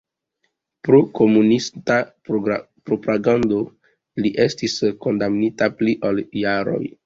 Pro komunista propagando li estis kondamnita pli ol jaron.